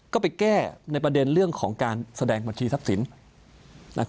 ก็ไปแก้ในประเด็นเรื่องของการแสดงบัญชีทรัพย์สิน